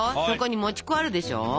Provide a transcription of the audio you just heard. そこにもち粉あるでしょ？